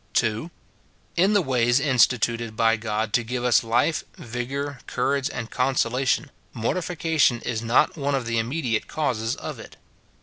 2. In the ways instituted by God, to give us life, vigour, courage, and consolation, mortification is not one of the immediate causes of it.